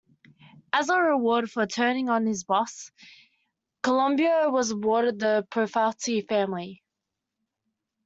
As a reward for turning on his boss, Colombo was awarded the Profaci family.